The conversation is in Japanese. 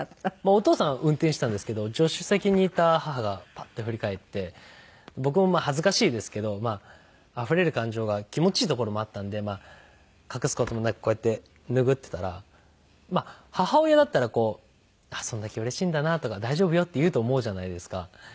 お父さんは運転してたんですけど助手席にいた母がパッと振り返って僕もまあ恥ずかしいですけどあふれる感情が気持ちいいところもあったのでまあ隠す事もなくこうやって拭ってたら母親だったらこう「それだけうれしいんだな」とか「大丈夫よ」って言うと思うじゃないですか。